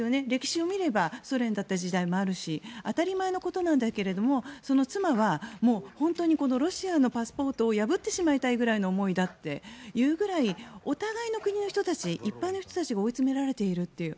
歴史を見ればソ連だった時代もあるし当たり前のことなんだけどその妻は本当にロシアのパスポートを破ってしまいたいぐらいの思いだっていうぐらいお互いの国の一般の人たちが追い詰められている。